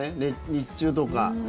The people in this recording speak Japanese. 日中とか。